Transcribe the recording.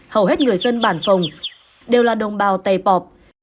hầu hết người dân bàn phòng đều là đồng bào tề bọp